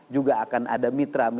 juga akan ada mitra